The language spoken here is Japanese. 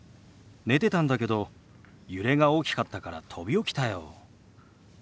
寝てたんだけど揺れが大きかったから飛び起きたよ。